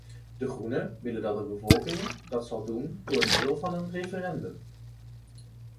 De groenen willen dat de bevolking dat zal doen door middel van een referendum.